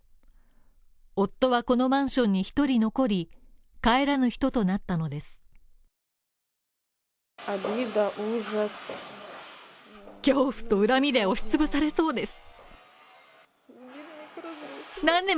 夫はこのマンションに１人残り、帰らぬ人となったのです。